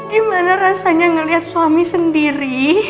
gimana rasanya ngelihat suami sendiri